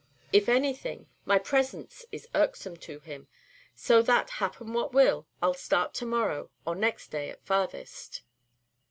If anything, my presence is irksome to him; so that, happen what will, I 'll start to morrow, or next day at farthest."